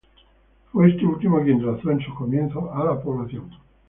Fue este último quien trazó en sus comienzos a la población.